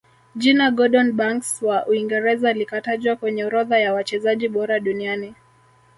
jina gordon banks wa Uingereza likatajwa kwenye orodha ya wachezaji bora duniani